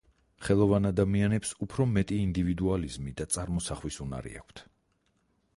ხელოვან ადამიანებს უფრო მეტი ინდივიდუალიზმი და წარმოსახვის უნარი აქვთ.